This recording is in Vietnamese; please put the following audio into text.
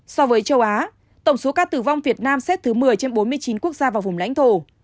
so với châu á tổng số ca tử vong việt nam xét thứ một mươi trên bốn mươi chín quốc gia và vùng lãnh thổ